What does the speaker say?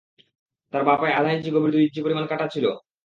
তার বাঁ পায়ে আধা ইঞ্চি গভীর দুই ইঞ্চি পরিমাণ কাটা ছিল।